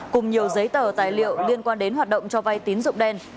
cùng nhiều giấy tờ tài liệu liên quan đến hoạt động cho vay tín dụng đen